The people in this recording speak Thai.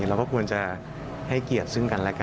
เราก็ควรจะให้เกียรติซึ่งกันและกัน